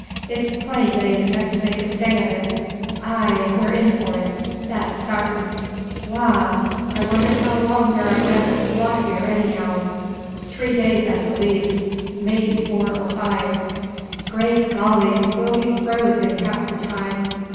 "It's plain they intend to make a stay of it." "Ay! we're in for it, that's sartin! Wagh! I wonder how long thar a goin' to squat hyar, any how." "Three days at the least: may be four or five." "Great gollies! we'll be froze in half the time."